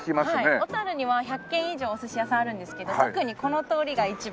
小には１００軒以上お寿司屋さんあるんですけど特にこの通りが一番。